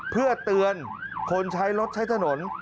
เพื่อเตือนคนใช้รถใช้ถนน